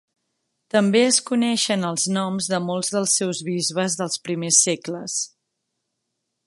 També es coneixen els noms de molts dels seus bisbes dels primers segles.